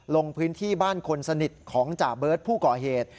ลงพื้นที่บ้านคนสนิทของจ่าเบิร์ตผู้ก่อเหตุ